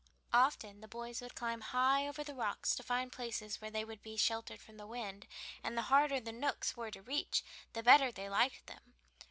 Often the boys would climb high up over the rocks to find places where they would be sheltered from the wind, and the harder the nooks were to reach the better they liked them.